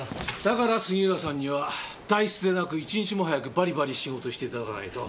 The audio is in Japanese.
だから杉浦さんには代筆でなく１日も早くバリバリ仕事して頂かないと。